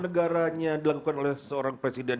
negaranya dilakukan oleh seorang presiden